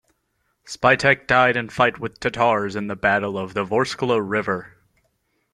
Spytek died in fight with Tatars in the Battle of the Vorskla River.